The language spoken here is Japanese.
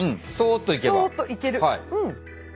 そっといける。